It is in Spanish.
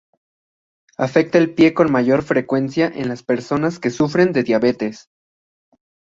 Afecta al pie con mayor frecuencia en las personas que sufren de diabetes.